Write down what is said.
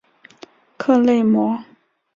克雷莫。